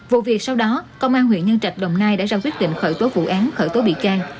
vụ việc sau đó công an huyện nhân trạch đồng nai đã ra quyết định khởi tố vụ án khởi tố bị can